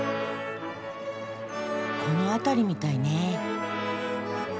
この辺りみたいね。